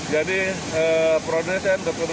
jadi produsen dan komitmennya